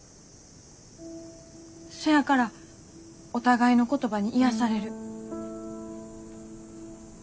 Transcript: そやからお互いの言葉に癒やされる。